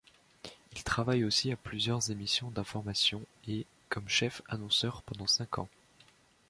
Il travaille aussi à plusieurs émissions d'information et comme chef annonceur pendant cinq ans.